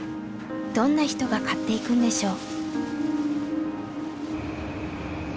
どんな人が買っていくんでしょう？